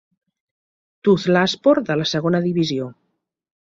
Tuzlaspor de la segona divisió.